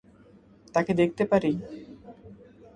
তাকে দেখতে পারি?